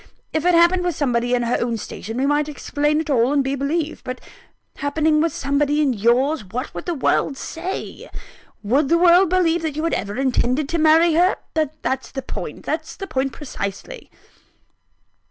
If it happened with somebody in her own station, we might explain it all, and be believed: but happening with somebody in yours, what would the world say? Would the world believe you had ever intended to marry her? That's the point that's the point precisely."